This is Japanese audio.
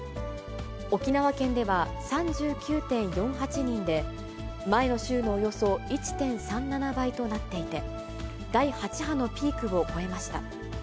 沖縄県では３９．４８人で、前の週のおよそ１．３７倍となっていて、第８波のピークを超えました。